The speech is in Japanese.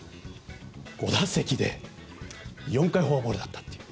５打席で４回フォアボールだったと。